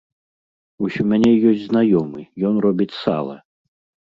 Вось у мяне ёсць знаёмы, ён робіць сала.